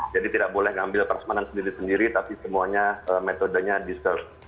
jadi tidak boleh mengambil perasmanan sendiri sendiri tapi semuanya metodenya di serve